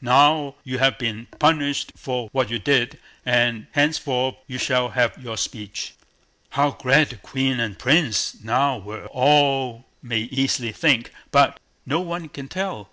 Now you have been punished for what you did, and henceforth you shall have your speech." How glad the Queen and Prince now were, all may easily think, but no one can tell.